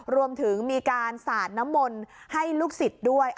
รวมถึงมีการสาดน้ำมนต์ให้ลูกศิษย์ด้วย